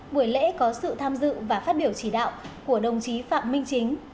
buổi lễ có sự tham dự và phát biểu chỉ đạo của đồng chí phạm minh chính